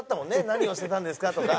「何を捨てたんですか？」とか。